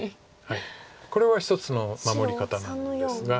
これは一つの守り方なんですが。